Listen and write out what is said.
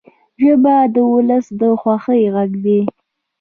ژبه د ولس د خوښۍ غږ دی